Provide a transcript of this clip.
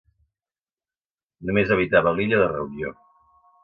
Només habitava l'illa de Reunió.